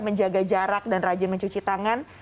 menjaga jarak dan rajin mencuci tangan